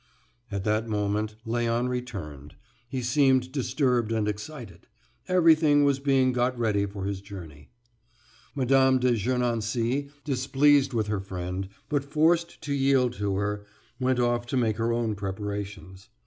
At that moment, Léon returned. He seemed disturbed and excited. Everything was being got ready for his journey. Mme. de Gernancé, displeased with her friend, but forced to yield to her, went off to make her own preparations.